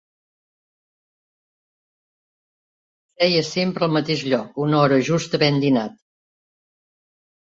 Seia sempre al mateix lloc, una hora justa havent dinat